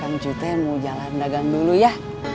aku mau jalan dagang dulu ya